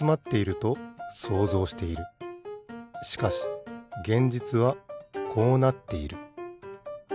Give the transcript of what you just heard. しかし現実はこうなっている。